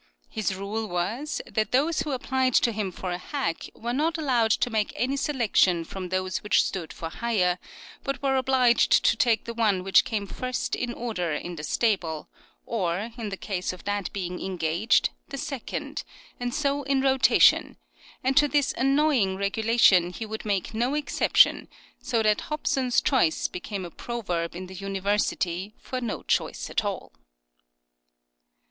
His rule was, that those who applied to him for a hack were not allowed to make any selection from those which stood for hire, but were obliged to take the one which came first in order 272 CURIOSITIES OF in the stable, or, in the case of that being engaged, the second, and so in rotation ; and to this annoying regulation he would make no exception, so that Hobson's choice became a proverb in the University for no choice at all.